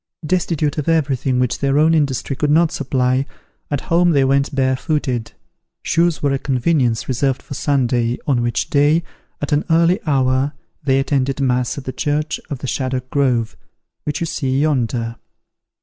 Destitute of everything which their own industry could not supply, at home they went bare footed: shoes were a convenience reserved for Sunday, on which day, at an early hour, they attended mass at the church of the Shaddock Grove, which you see yonder.